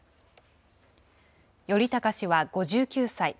頼高氏は５９歳。